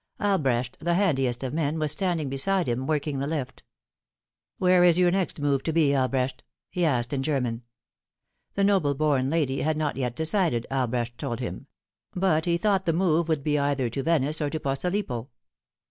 Albrecht, the handiest of men, was standing beside him, working the lift. Not Proven. 221 " Where is your next move to be, Albrecht ?" he asked in German. The noble born lady had not yet decided, Albrecht told him ; but he thought the move would be either to Venice or to Posilippo.